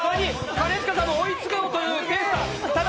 兼近さんが追いつこうというペースだ。